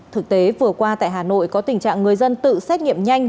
thực tế vừa qua tại hà nội có tình trạng người dân tự xét nghiệm nhanh